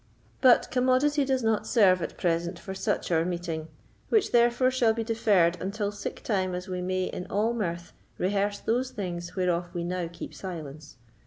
But commodity does not serve at present for such our meeting, which, therefore, shall be deferred until sic time as we may in all mirth rehearse those things whereof we now keep silence.